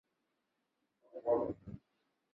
布朗日人口变化图示